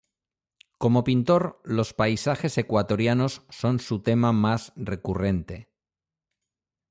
Como pintor, los paisajes ecuatorianos son su tema más recurrente.